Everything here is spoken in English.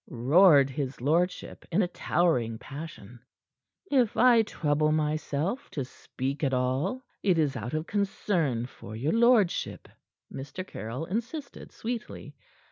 roared his lordship, in a towering passion. "If I trouble myself to speak at all, it is out of concern for your lordship," Mr. Caryll insisted sweetly.